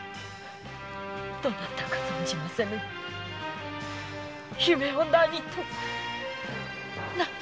どなたか存じませぬが姫を何とぞ。